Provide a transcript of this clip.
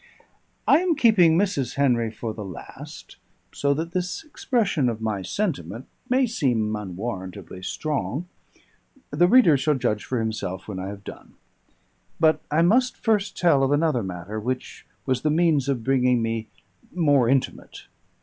I am keeping Mrs. Henry for the last, so that this expression of my sentiment may seem unwarrantably strong: the reader shall judge for himself when I have done. But I must first tell of another matter, which was the means of bringing me more intimate.